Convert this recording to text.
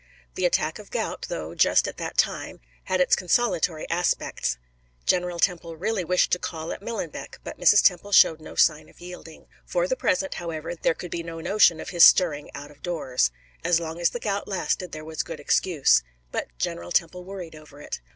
The attack of gout, though, just at that time, had its consolatory aspects. General Temple really wished to call at Millenbeck, but Mrs. Temple showed no sign of yielding. For the present, however, there could be no notion of his stirring out of doors. As long as the gout lasted there was a good excuse. But General Temple worried over it.